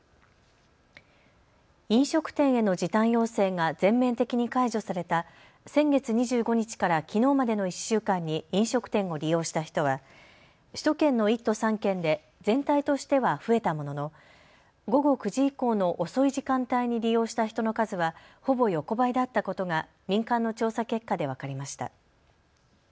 飲食店への時短要請が全面的に解除された先月２５日からきのうまでの１週間に飲食店を利用した人は首都圏の１都３県で全体としては増えたものの午後９時以降の遅い時間帯に利用した人の数はほぼ横ばいだったことが民間の調査結果で分かりました。